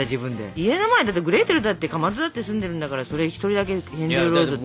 家の前だってグレーテルだってかまどだって住んでるんだからそれ一人だけヘンゼルロードって。